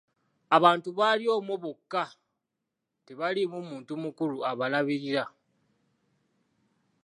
Abantu bali omwo bokka tebaliimu muntu mukulu abalabirira.